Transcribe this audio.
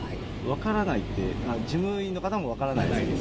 分からないって、事務員の方も分からない？